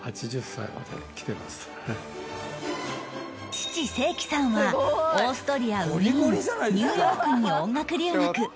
父正機さんはオーストリアウィーンニューヨークに音楽留学